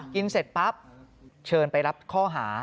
เสร็จปั๊บเชิญไปรับข้อหา